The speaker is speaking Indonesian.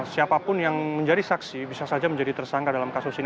siapapun yang menjadi saksi bisa saja menjadi tersangka dalam kasus ini